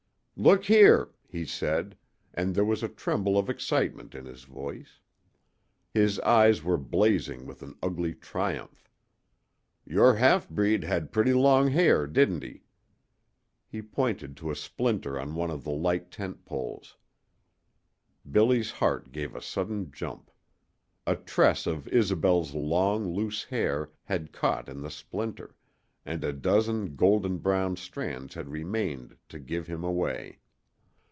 "Look here!" he said, and there was a tremble of excitement in his voice. His eyes were blazing with an ugly triumph. "Your half breed had pretty long hair, didn't he?" He pointed to a splinter on one of the light tent poles. Billy's heart gave a sudden jump. A tress of Isobel's long, loose hair had caught in the splinter, and a dozen golden brown strands had remained to give him away.